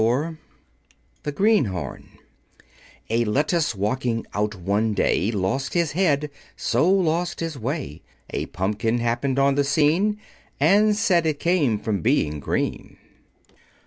[Illustration: A Hopeless Case] THE GREENHORN A lettuce walking out one day, Lost his head, so lost his way; A Pumpkin happened on the scene, And said it came from being green.